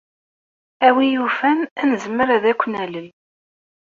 A win yufan, ad nezmer ad ken-nalel.